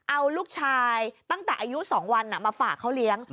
เอาลูกชายตั้งแต่อายุ๒วันมาฝากเขาเลี้ยง